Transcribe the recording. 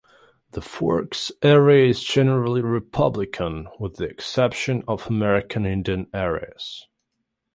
The Forks area is generally Republican, with the exception of American Indian areas.